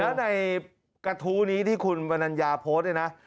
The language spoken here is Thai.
แล้วในกระทู้นี้ที่คุณมนัญญาโพสต์เนี่ยนะ